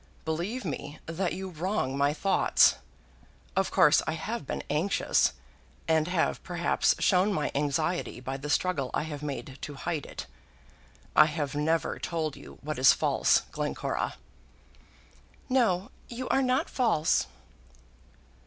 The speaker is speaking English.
"Believe me that you wrong my thoughts. Of course I have been anxious, and have, perhaps, shown my anxiety by the struggle I have made to hide it. I have never told you what is false, Glencora." "No; you are not false!"